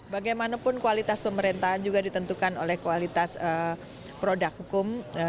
bagaimanapun kualitas pemerintahan juga ditentukan oleh kualitas produk hukum